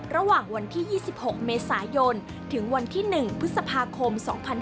ระหว่างวันที่๒๖เมษายนถึงวันที่๑พฤษภาคม๒๕๖๒